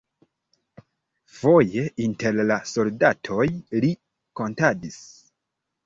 Foje inter la soldatoj li kantadis.